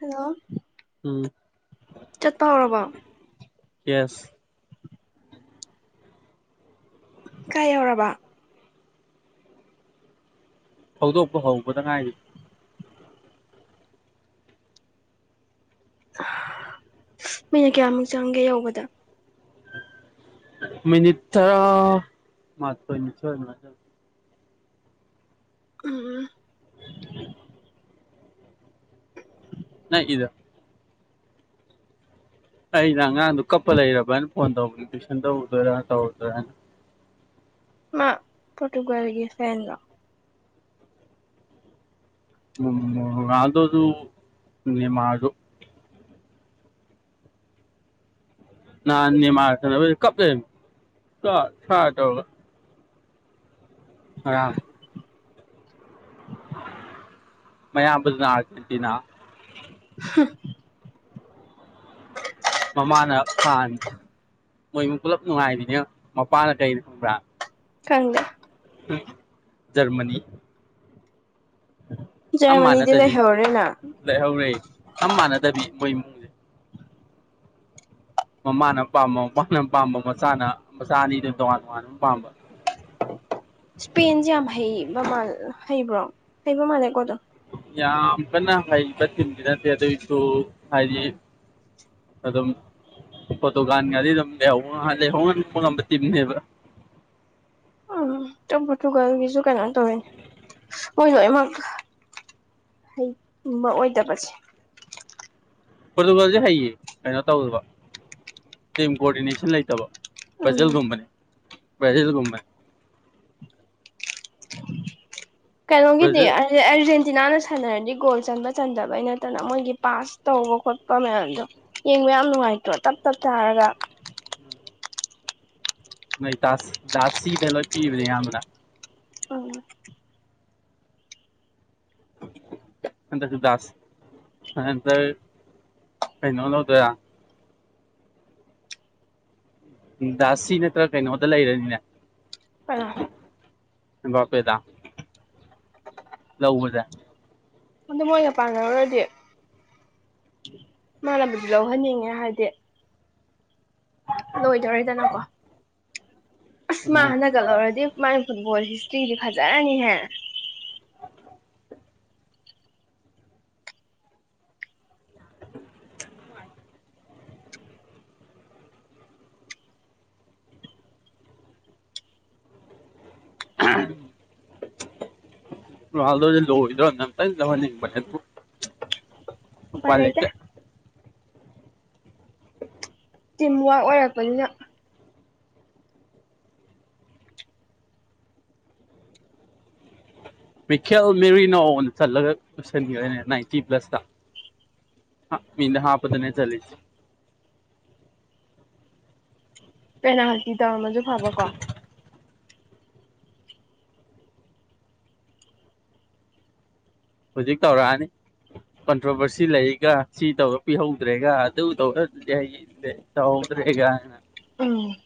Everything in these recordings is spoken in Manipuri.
ꯍꯜꯂꯣ ꯎꯝ ꯆꯠꯄ ꯍꯧꯔꯕꯣ ꯌꯦꯁ ꯀꯥꯏ ꯌꯧꯔꯕ ꯊꯧꯗꯣꯛꯄ ꯍꯧꯕꯗ ꯉꯥꯏꯔꯤ ꯃꯤꯅꯤꯠ ꯀꯌꯥꯃꯨꯛ ꯆꯪꯒꯦ ꯌꯧꯕꯗ ꯃꯤꯅꯤꯠ ꯇꯔꯥ ꯃꯥꯊꯣꯏ ꯅꯤꯊꯣꯏ ꯑꯗꯨꯃꯥꯏ ꯎꯝ ꯅꯛꯏꯗ ꯑꯩꯅ ꯑꯉꯥꯡꯗꯣ ꯀꯞꯄ ꯂꯩꯔꯕꯅ ꯐꯣꯟ ꯇꯧꯒꯤ ꯇꯨꯏꯁꯟ ꯇꯧꯗꯣꯏꯔꯥ ꯇꯧꯔꯗꯣꯏꯔꯥꯅ ꯃꯥ ꯄꯣꯇꯨꯒ꯭ꯜꯒꯤ ꯐꯦꯟ ꯂꯣ ꯎꯝ ꯔꯣꯅꯥꯜꯗꯣꯖꯨ ꯅꯦꯃꯥꯔꯖꯨ ꯅꯍꯥꯟ ꯅꯦꯃꯥꯔ ꯁꯥꯟꯅꯕꯩꯗꯣ ꯀꯞ ꯂꯩꯔꯝꯃꯤ ꯁꯥꯔ ꯁꯥꯔ ꯇꯧꯔꯒ ꯉꯔꯥꯡ ꯃꯌꯥꯝꯕꯗꯨꯅ ꯑꯥꯔꯖꯦꯟꯇꯤꯅꯥ ꯍꯨꯝ ꯃꯃꯥꯅ ꯐꯍꯟ ꯃꯣꯏꯃꯨꯡ ꯄꯨꯂꯞ ꯅꯨꯡꯉꯥꯏꯕꯤꯅꯦꯉꯣ ꯃꯄꯥꯅ ꯀꯔꯤ ꯐꯪꯕ꯭ꯔꯥ ꯈꯪꯗꯦ ꯖꯔꯃꯅꯤ ꯑꯝ ꯖꯔꯃꯅꯤꯗꯤ ꯃꯥꯟꯅꯗꯕꯤ ꯂꯩꯍꯧꯔꯦꯅ ꯂꯩꯍꯧꯔꯦ ꯑꯝ ꯃꯥꯟꯅꯗꯕꯤ ꯃꯣꯏ ꯃꯃꯥꯅ ꯑꯝ ꯄꯥꯝꯕ ꯃꯄꯥꯅ ꯑꯝ ꯄꯥꯝꯕ ꯃꯆꯥꯅ ꯃꯆꯥ ꯑꯅꯤꯗꯣ ꯇꯣꯉꯥꯟ ꯇꯣꯉꯥꯟꯕ ꯄꯥꯝꯕ ꯁꯄꯦꯟꯖꯦ ꯌꯥꯝ ꯍꯩꯕꯃꯥꯜ ꯍꯩꯕ꯭ꯔꯣ ꯍꯩꯕ ꯃꯥꯜꯂꯦꯀꯣ ꯑꯗꯨꯝ ꯌꯥꯝ ꯀꯟꯅ ꯍꯥꯏꯕ ꯇꯤꯝꯗꯤ ꯅꯠꯇꯦ ꯑꯗꯨꯏꯁꯨ ꯍꯥꯏꯗꯤ ꯑꯗꯨꯝ ꯐꯣꯇꯣꯀꯥꯟꯒꯒꯥꯗꯤ ꯑꯗꯨꯝ ꯂꯩꯍꯧꯕ ꯂꯩꯍꯧꯟꯕ ꯉꯝꯕ ꯇꯤꯝꯅꯦꯕ ꯎꯝ ꯄꯣꯔꯇꯨꯒꯜꯒꯤꯁꯨ ꯀꯩꯅꯣ ꯇꯧꯋꯤꯅꯦ ꯃꯣꯏ ꯂꯣꯏꯅꯃꯛ ꯍꯩꯒꯨꯝꯕ ꯑꯣꯏꯗꯕꯁꯦ ꯄꯣꯔꯇꯨꯒꯜꯁꯦ ꯍꯩꯌꯦ ꯀꯩꯅꯣ ꯇꯧꯗꯕ ꯇꯤꯝ ꯀꯣꯑꯣꯔꯗꯤꯅꯦꯁꯟ ꯂꯩꯇꯕ ꯎꯝ ꯕꯔꯖꯤꯜꯒꯨꯝꯕꯅꯤ ꯕꯔꯖꯤꯜꯒꯨꯝꯕꯅꯤ ꯀꯩꯅꯣꯒꯤꯗꯤ ꯕ꯭ꯔꯥꯖꯤꯜ ꯑꯥꯔꯖꯦꯟꯇꯤꯅꯥꯅ ꯁꯥꯟꯅꯔꯗꯤ ꯒꯣꯜ ꯆꯟꯕ ꯆꯟꯗꯕꯩ ꯅꯠꯇꯅ ꯃꯣꯏꯒꯤ ꯄꯥꯁ ꯇꯧꯕ ꯈꯣꯠꯄ ꯃꯌꯥꯝꯗꯣ ꯌꯦꯡꯕ ꯌꯥꯝ ꯅꯨꯡꯉꯥꯏꯇ꯭ꯔꯣ ꯇꯞ ꯇꯞ ꯇꯥꯔꯒ ꯅꯣꯏ ꯗꯥꯁ ꯗꯥꯁꯤꯗ ꯂꯣꯏ ꯄꯤꯕꯅꯦ ꯑꯌꯥꯝꯕꯅ ꯎꯝ ꯍꯟꯇꯛꯁꯨꯗꯥꯥꯁ [unintelligible] ꯀꯩꯅꯣ ꯂꯧꯗ ꯗꯥꯁꯤ ꯅꯠꯇ꯭ꯔ ꯀꯩꯅꯣꯗ ꯂꯩꯔꯅꯤꯅꯦ ꯀꯅꯥ ꯑꯝꯕꯄꯦꯗ ꯂꯧꯕꯖꯦ ꯑꯗꯨ ꯃꯣꯏꯒ ꯄꯥꯟꯅꯔꯨꯔꯗꯤ ꯃꯥꯅꯕꯨꯗꯤ ꯂꯧꯍꯟꯅꯤꯡꯉꯦ ꯍꯥꯏꯗꯤ ꯂꯣꯏꯗꯔꯦꯗꯅꯀꯣ ꯑꯁ ꯃꯥ ꯎꯝ ꯍꯟꯗꯀꯥ ꯂꯧꯔꯗꯤ ꯃꯥꯒꯤ ꯐꯨꯠꯕꯣꯜ ꯍꯤꯁꯇ꯭ꯔꯤꯗꯤ ꯐꯖꯔꯅꯤꯍꯦ [unintelligible] ꯔꯣꯅꯥꯜꯗꯣꯖꯦ ꯂꯗꯣꯔꯥꯃꯦ ꯑꯝꯇꯥꯗꯤ ꯂꯧꯍꯟꯅꯤꯡꯕꯅꯦ ꯎꯄꯥꯏ ꯂꯩꯇꯦ ꯇꯤꯝ ꯋꯥꯔꯛ ꯑꯣꯏꯔꯛꯄꯅꯤꯅ ꯃꯤꯈꯦꯜ ꯃꯦꯔꯤꯅꯣ ꯑꯣꯏꯅ ꯆꯠꯂꯒ ꯂꯣꯏꯁꯟꯒꯔꯦꯅꯦ ꯅꯥꯏꯟꯇꯤ ꯄ꯭ꯂꯁꯇꯥ ꯃꯤ ꯍꯥꯄꯗꯅꯦ ꯆꯂꯤꯁꯦ ꯄꯦꯅꯥꯜꯇꯤ ꯇꯧꯔꯝꯃꯖꯨ ꯐꯕ ꯀꯣ ꯍꯧꯖꯤꯛ ꯇꯧꯔꯛꯑꯅꯤ ꯀꯟꯇ꯭ꯔꯣꯚꯔꯁꯤ ꯂꯩꯒ ꯁꯤ ꯇꯧꯔ ꯄꯤꯍꯧꯗ꯭ꯔꯦꯒ ꯑꯗꯨ ꯇꯧꯔꯗꯤ ꯍꯥꯏ ꯗꯦ ꯇꯧꯍꯧꯗ꯭ꯔꯦꯒ ꯑꯝ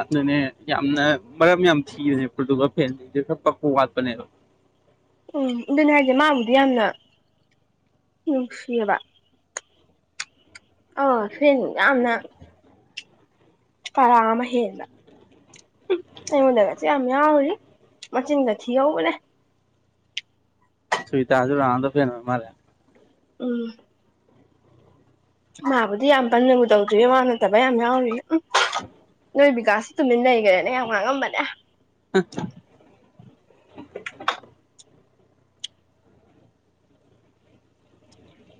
ꯑꯗꯨꯅꯦ ꯌꯥꯝꯅ ꯃꯔꯝ ꯌꯥꯝ ꯊꯤꯔꯕꯖꯦ ꯄꯣꯔꯇꯨꯒꯥꯜ ꯐꯦꯟꯖꯤꯡꯖꯦ ꯈꯔ ꯄꯛꯄ ꯋꯥꯠꯄꯅꯦꯕꯣ ꯎꯝ ꯑꯗꯨꯅꯦ ꯍꯥꯏꯁꯦ ꯃꯥꯕꯨꯗꯤ ꯌꯥꯝꯅ ꯅꯨꯡꯁꯤꯌꯦꯕ ꯑꯥ ꯐꯦꯟ ꯌꯥꯝꯅ ꯀꯔꯥ ꯑꯃ ꯍꯦꯟꯕ ꯎꯝ ꯑꯩꯉꯣꯟꯗꯒꯁꯦ ꯌꯥꯝ ꯌꯥꯎꯔꯤ ꯃꯆꯤꯟꯒꯥ ꯊꯤꯍꯧꯕꯅꯦ ꯁꯨꯏꯇꯥꯖꯨ ꯔꯣꯅꯥꯟꯅꯣ ꯐꯦꯟ ꯑꯣꯏꯔꯃꯥꯜꯂꯦ ꯎꯝ ꯃꯥꯕꯨꯗꯤ ꯌꯥꯝ ꯀꯟꯅ ꯇꯧꯗ꯭ꯔꯤꯌꯦ ꯃꯥ ꯅꯠꯇꯕ ꯌꯥꯝ ꯌꯥꯎꯔꯤꯌꯦ ꯎꯝ ꯅꯣꯏ ꯕꯤꯀꯥꯁ ꯇꯨꯃꯤꯟ ꯂꯩꯒ꯭ꯔꯦꯅꯦ ꯌꯥꯝ ꯉꯥꯡꯉꯝꯕꯅꯦ [unintelligible]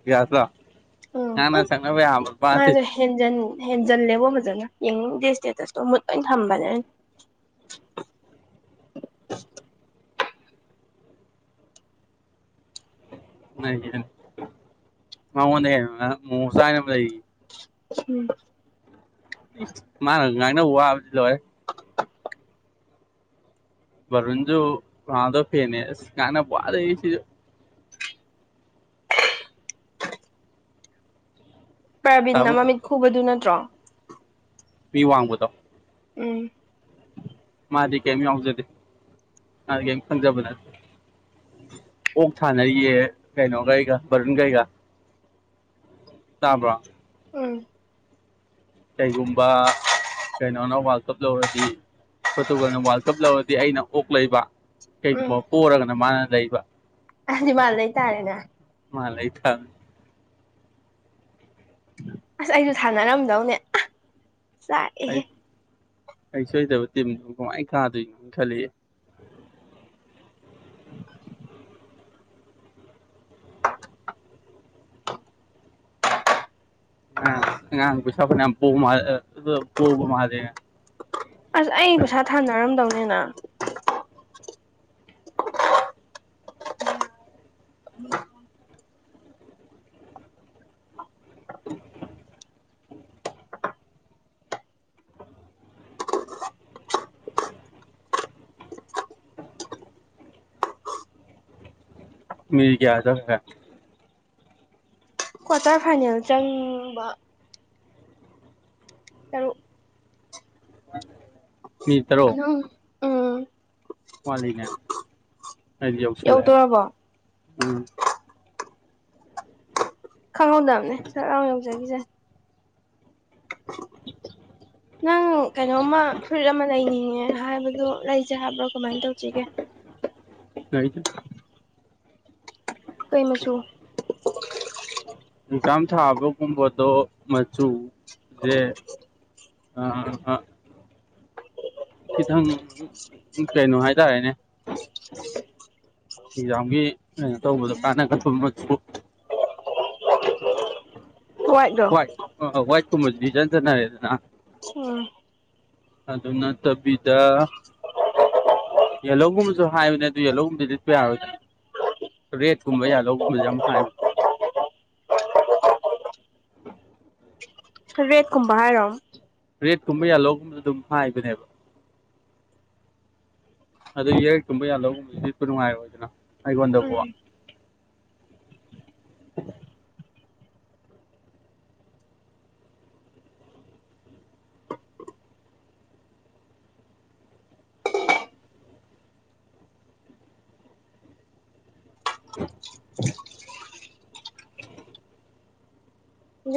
ꯕꯤꯌꯥꯁꯂꯣ ꯎꯝ ꯎꯝ ꯉꯥꯡꯅ ꯁꯛꯅꯕ ꯌꯥꯕ ꯅꯨꯄꯥ ꯅꯠꯇꯦ ꯃꯥꯁꯨ ꯍꯦꯟꯖꯟ ꯍꯦꯟꯖꯜꯂꯦꯕꯣ ꯐꯖꯅ ꯌꯦꯡꯅꯤꯡꯗꯦ ꯏꯁꯇꯦꯇꯁꯇꯣ ꯃꯨꯠ ꯂꯣꯏꯅ ꯊꯝꯕꯅꯦ ꯑꯩꯅ [inaudible] [unintelligible] ꯃꯉꯣꯟꯗꯩ ꯍꯦꯟꯕ ꯃꯣꯃꯣꯆꯥꯅ ꯑꯃ ꯂꯩꯔꯤꯌꯦ ꯎꯝ ꯃꯥꯅ ꯉꯥꯡꯅꯕ ꯋꯥꯕꯁꯤ ꯂꯣꯏꯔꯦ꯫ ꯃꯔꯨꯟꯖꯣ ꯔꯣꯋꯥꯗꯣ ꯐꯦꯅꯦꯅꯦ ꯉꯥꯡꯅꯕ ꯋꯔꯤꯁꯤꯖꯨ ꯄ꯭ꯔꯥꯕꯤꯟꯅ ꯇꯥꯃꯣ ꯃꯃꯤꯠ ꯈꯨꯕꯗꯨ ꯅꯠꯇ꯭ꯔꯣ꯫ ꯃꯤ ꯋꯥꯡꯕꯗꯣ ꯎꯝ꯫ ꯃꯥꯗꯤ ꯀꯔꯤꯝ ꯌꯥꯎꯖꯗꯦ ꯃꯥꯗꯤ ꯀꯔꯤꯝ ꯈꯟꯖꯕ ꯅ ꯑꯣꯛ ꯊꯥꯅꯩꯌꯦ ꯀꯩꯅꯣ ꯀꯩꯒ ꯕꯔꯨꯟ ꯀꯩꯒ꯫ ꯇꯥꯕ꯭ꯔꯣ꯫ ꯎꯝ꯫ ꯀꯩꯒꯨꯝꯕ ꯀꯩꯅꯣꯅ ꯋꯥꯔꯜ ꯀꯞ ꯂꯧꯔꯗꯤ ꯄ꯭ꯔꯣꯔꯇꯨꯒꯜꯅ ꯋꯥꯔꯜ ꯀꯞ ꯂꯧꯔꯗꯤ ꯑꯩꯅ ꯑꯣꯛ ꯂꯩꯕ꯫ ꯀꯩꯒꯨꯝꯕ ꯄꯔꯒꯅ ꯃꯥꯅ ꯂꯩꯕ꯫ ꯑꯗꯤ ꯃꯥꯅ ꯂꯩ ꯇꯥꯔꯦꯅ ꯃꯥꯅ ꯂꯩꯏ ꯊꯕꯅꯤ ꯑꯁ ꯑꯩꯁꯨ ꯊꯥꯅꯔꯝꯗꯧꯅꯦ ꯆꯥꯛꯑꯍꯦ꯫ ꯍꯩꯁꯨ ꯍꯩꯇꯕ ꯇꯤꯝꯗꯨ ꯀꯃꯥꯏꯅ ꯊꯥꯗꯣꯏꯅꯣꯅ ꯈꯜꯜꯂꯤꯏ [inaudible] ꯑ ꯉ ꯄꯁꯄ ꯄ ꯄꯒ ꯃꯥꯜꯂꯤ ꯑꯁ ꯑꯩ ꯄꯩꯁꯥ ꯊꯥꯅꯔꯝꯗꯧꯅꯤꯅ꯫ ꯎꯝ꯫ ꯃꯤ ꯀꯌꯥ ꯆꯥꯠ ꯀ꯭ꯋꯥꯔꯇꯔ ꯐꯥꯏꯅꯦꯜ ꯆꯪꯡꯕ꯫ ꯇꯔꯨꯛ ꯃꯤ ꯇꯔꯨꯛ ꯅꯪ ꯎꯝ ꯋꯥꯂꯤꯅꯦ ꯑꯩꯗꯤꯌꯧꯎꯁꯜꯂꯦ ꯌꯧꯗꯣꯔꯕꯣ ꯎꯝ ꯈꯪꯍꯧꯗꯅꯕꯅꯦ ꯁꯔ ꯑꯥꯎ ꯌꯧꯖꯈꯤꯁꯅꯤ ꯅꯪ ꯀꯩꯅꯣꯝꯃ ꯐꯨꯔꯤꯠ ꯑꯃ ꯂꯩꯅꯤꯡꯉꯦ꯫ ꯍꯥꯏꯕꯗꯣ ꯂꯩꯖꯦ ꯍꯥꯏꯕ꯭ꯔꯣ ꯀꯃꯥꯏꯅ ꯇꯧꯁꯤꯒꯦ꯫ ꯀꯥꯗꯥꯏꯗ ꯀꯩ ꯃꯆꯨ ꯑꯦꯛꯖꯥꯝ ꯊꯥꯕꯒꯨꯝꯕꯗꯣ ꯃꯆꯨꯁꯦ꯫ ꯑꯥ ꯈꯤꯇꯪ ꯀꯩꯅꯣ ꯍꯥꯏꯇꯥꯔꯦꯅꯦ꯫ ꯑꯦꯛꯖꯥꯝꯒꯤ ꯀꯩꯅꯣ ꯇꯧꯕꯗꯣ ꯀꯥꯟꯅꯒꯗꯕꯃꯛꯁꯨ ꯍꯨꯋꯥꯏꯠ ꯑ ꯋꯥꯏꯠ ꯀꯨꯝꯕꯗꯤ ꯏꯆꯟ ꯆꯥꯟꯅꯥꯔꯦꯗꯅ꯫ ꯎꯝ꯫ ꯑꯗꯨ ꯅꯠꯇꯕꯤꯗ꯫ ꯌꯦꯜꯂꯣꯒꯨꯝꯕꯁꯨ ꯍꯥꯏꯕꯅꯦ ꯑꯗꯨ ꯌꯦꯜꯂꯧꯒꯨꯝꯕꯗꯤꯁꯨ ꯌꯥꯔꯣꯏꯗꯅ꯫ ꯔꯦꯠ ꯀꯨꯝꯕ ꯌꯥ ꯂꯧꯒꯨꯝꯕꯁ ꯌꯥꯝ ꯍꯥꯏꯕ [unintelligible] ꯔꯦꯠꯀꯨꯝꯕ ꯍꯥꯏꯔꯣ꯫ ꯔꯦꯠꯀꯨꯝꯕ ꯌꯥꯜꯍꯣꯒꯨꯝꯗ ꯑꯗꯨꯝ ꯍꯥꯏꯕꯅꯦꯕ꯫ ꯑꯗꯨ ꯌꯥꯔꯛ ꯀꯨꯝꯕ ꯌꯥ ꯂꯧꯒꯨꯝꯕꯗꯨꯗꯤ ꯅꯨꯡꯉꯥꯏꯔ ꯑꯣꯏꯗꯅ ꯑꯩꯉꯣꯟꯗꯕꯨ꯫ ꯎꯝ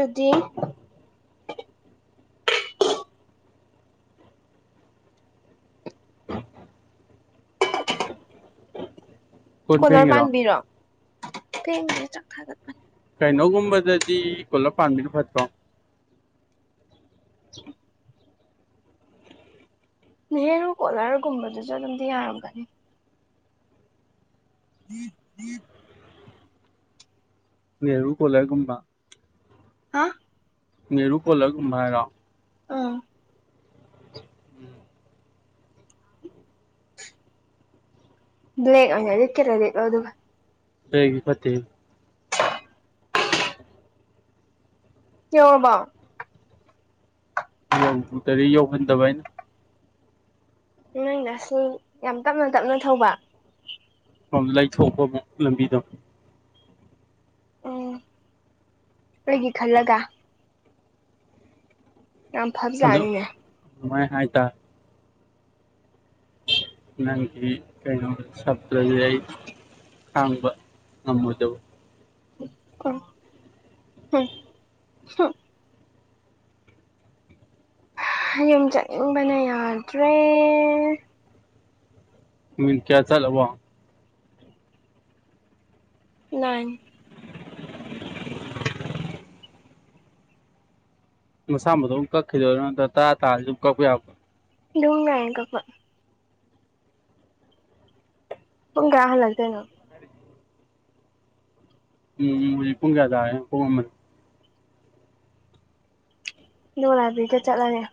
ꯑꯗꯨꯗꯤ꯫ ꯀꯣꯟ ꯀꯣꯂꯔ ꯐꯦꯡꯉꯤꯔꯣ ꯄꯥꯟꯕꯤꯔꯣ ꯊꯦꯡꯒꯔꯦ ꯆꯥꯛ ꯊꯒꯠꯄꯅꯦ꯫ ꯀꯩꯅꯣꯒꯨꯝꯕꯗꯗꯤ ꯄꯨꯜꯂꯞ ꯄꯥꯟꯕꯤꯅ ꯐꯠꯇ꯭ꯔꯣ꯫ ꯅꯦꯍꯔꯨ ꯈꯣꯂꯔꯒꯨꯝꯝꯕꯕꯗꯨ ꯆꯖ ꯑꯗꯨꯝꯗꯤ ꯌꯥꯌꯥꯔꯒꯥꯒꯅꯤ [unintelligible] ꯇꯦꯔꯨ ꯀꯜꯂꯦ ꯒꯨꯝꯕ ꯍꯥ ꯅꯦꯍꯔꯨ ꯀꯂꯔꯒ ꯍꯥꯏꯔꯣ ꯑꯥ ꯎꯝ ꯕ꯭ꯂꯦꯛ ꯑꯣꯏꯅ ꯂꯤꯠꯀꯦ ꯂꯤꯠꯂꯣ ꯑꯗꯨꯒ ꯀꯩꯒꯤ ꯐꯠꯇꯦꯍꯦ ꯌꯧꯔꯕꯣ ꯌꯧꯗꯔꯤ ꯌꯧꯍꯟꯗꯕ ꯑꯩꯅ ꯅꯪꯅ ꯑꯁꯤ ꯌꯥꯝ ꯇꯞꯅ ꯇꯞꯅ ꯊꯧꯕ ꯂꯩꯊꯣꯛꯄ ꯂꯝꯕꯤꯗꯣ ꯑꯣ ꯑꯩꯒꯤ ꯈꯜꯂꯒ ꯌꯥꯝ ꯐꯕꯖꯥꯠꯅꯤꯅꯦ ꯑꯗꯨꯃꯥꯏ ꯍꯥꯏꯇꯥꯔꯦ ꯅꯪꯒꯤ ꯀꯩꯅꯣ ꯁꯞꯇ꯭ꯔꯖꯦ ꯑꯩ ꯈꯥꯡꯕ ꯉꯝꯃꯣꯏꯗꯧ ꯑꯣ ꯍꯝ ꯍꯨꯝ ꯌꯨꯝ ꯆꯠꯅꯤꯡꯕꯅ ꯌꯥꯗ꯭ꯔꯦ ꯃꯤꯅꯠ ꯀꯌꯥ ꯆꯠꯂꯥꯕꯣ ꯅꯥꯏꯟ [unintelligible] ꯃꯁꯥ ꯃꯗꯣꯝ ꯀꯛꯈꯤꯗꯣꯏꯔ ꯅꯠꯇ ꯇꯔꯥ ꯇꯥꯔꯗꯤ ꯑꯗꯨꯝ ꯀꯛꯄ ꯌꯥꯕ꯭ꯔꯣ ꯑꯗꯨꯝ ꯌꯥꯏ ꯀꯛꯄ ꯄꯨꯡ ꯀꯌꯥ ꯍꯜꯂꯛꯇꯣꯏꯅꯣ ꯌꯦꯡ ꯌꯦꯡꯉꯣ ꯄꯨꯡ ꯀꯌꯥ ꯇꯥꯔꯦ ꯌꯦꯡꯉꯣ ꯄꯨꯡ ꯑꯃ ꯗꯨꯒ ꯂꯥꯏꯕ꯭ꯔꯤꯗ ꯆꯠꯂꯅꯤ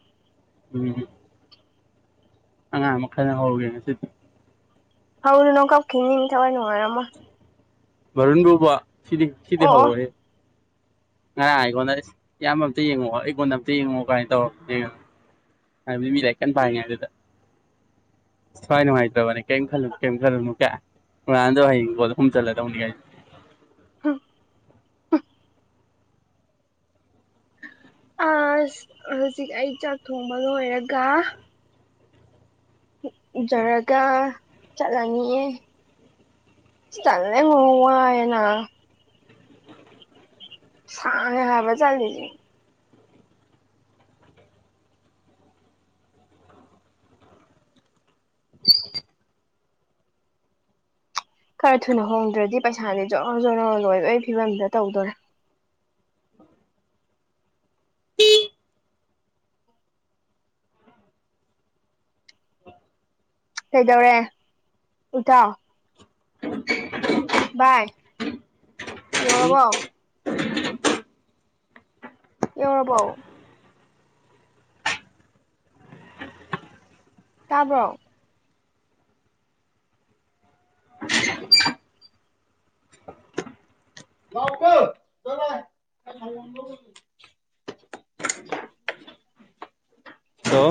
[unintelligible] ꯑꯉꯥꯡ ꯑꯃ ꯈꯠꯅ ꯍꯧꯒꯦ ꯉꯁꯤꯗꯤ ꯍꯧꯔꯨꯅꯨ ꯀꯞꯈꯤꯅꯤ ꯊꯋꯥꯏ ꯅꯨꯡꯉꯥꯏꯔꯝꯃꯣꯏ ꯕꯥꯔꯨꯟꯕꯨꯕ ꯁꯤꯗꯤ ꯁꯤꯗꯤ ꯑꯣ ꯑꯣ ꯍꯧꯔꯣꯏꯍꯦ ꯉꯔꯥꯡ ꯑꯩꯉꯣꯟꯗ ꯏꯁ ꯏꯌꯥꯝꯕ ꯑꯝꯇ ꯌꯦꯡꯉꯛꯑꯣ ꯑꯩ ꯀꯣꯟꯗ ꯑꯝꯇ ꯌꯦꯡꯉꯛꯑꯣ ꯀꯥꯏꯅ ꯇꯧꯔꯛꯄꯅꯤꯉꯣ ꯍꯥꯏꯕꯗꯤ ꯃꯤ ꯂꯥꯏꯂꯤꯛ ꯀꯟ ꯄꯥꯉꯩꯗꯨꯗ ꯊꯋꯥꯏ ꯅꯨꯡꯉꯥꯏꯇꯕꯅꯦ ꯀꯩꯝ ꯈꯜꯂꯨꯅꯨ ꯀꯩꯝ ꯈꯜꯂꯨꯅꯨ ꯀꯥꯏ ꯔꯣꯅꯥꯟꯗꯣ ꯍꯌꯦꯡ ꯒꯣꯜ ꯑꯍꯨꯝ ꯆꯜꯂꯗꯧꯅꯤ ꯀꯥꯏ [unintelligible] ꯑꯁ ꯍꯨꯖꯤꯛ ꯑꯩ ꯆꯥꯛ ꯊꯣꯡꯕ ꯂꯣꯏꯔꯒ ꯂꯨꯖꯔꯒ ꯆꯠꯂꯅꯤ ꯇꯜꯂꯦꯉꯣ ꯋꯥꯏꯌꯦ ꯅꯥ ꯁꯥꯡꯉꯦ ꯍꯥꯏꯕ ꯆꯠꯂꯤꯖꯤ [unintelligible] ꯈꯔ ꯊꯨꯅ ꯍꯣꯡꯗ꯭ꯔꯗꯤ ꯄꯩꯁꯥꯅꯦ ꯖꯣꯔꯣ ꯖꯣꯔꯣ ꯂꯣꯏꯕꯩ ꯐꯤꯕꯝꯗ ꯇꯧꯗꯣꯔꯦ ꯀꯩꯗꯧꯔꯦ ꯏꯇꯥꯎ ꯚꯥꯏ ꯌꯧꯔꯕꯣ ꯌꯧꯔꯕꯣ ꯇꯥꯕ꯭ꯔꯣ ꯍꯜꯂꯣ